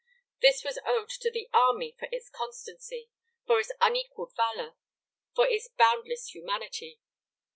This was owed to the army for its constancy, for its unequalled valor, for its boundless humanity.